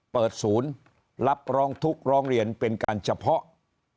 เปิดศูนย์รับร้องทุกข์ร้องเรียนเป็นการเฉพาะ